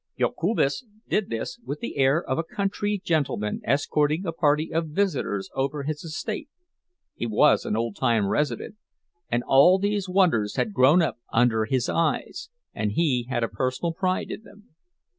Jokubas did this with the air of a country gentleman escorting a party of visitors over his estate; he was an old time resident, and all these wonders had grown up under his eyes, and he had a personal pride in them.